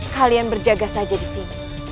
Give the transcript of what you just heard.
kalian berjaga saja disini